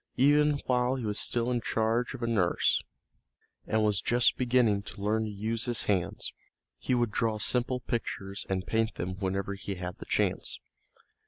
Even while he was still in charge of a nurse, and was just beginning to learn to use his hands, he would draw simple pictures and paint them whenever he had the chance.